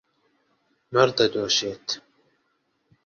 مەڕ دەدۆشێت.